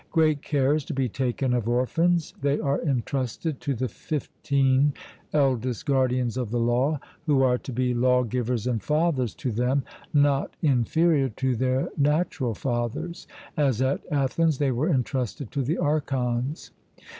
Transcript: Great care is to be taken of orphans: they are entrusted to the fifteen eldest Guardians of the Law, who are to be 'lawgivers and fathers to them not inferior to their natural fathers,' as at Athens they were entrusted to the Archons.